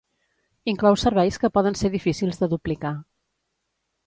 Inclou serveis que poden ser difícils de duplicar.